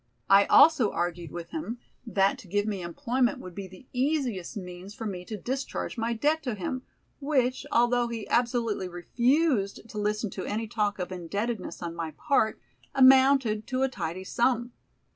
I also argued with him that to give me employment would be the easiest means for me to discharge my debt to him, which, although he absolutely refused to listen to any talk of indebtedness on my part, amounted to a tidy sum.